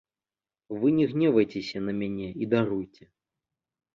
Вы не гневайцеся на мяне і даруйце.